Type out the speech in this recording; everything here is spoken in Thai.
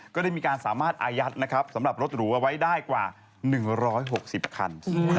ก็ได้มีการสามารถอายัดนะครับสำหรับรถหรูเอาไว้ได้กว่า๑๖๐คัน